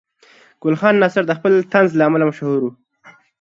ګل خان ناصر د خپل طنز له امله مشهور و.